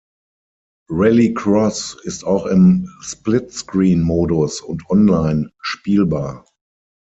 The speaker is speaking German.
Rallycross ist auch im Splitscreen-Modus und online spielbar.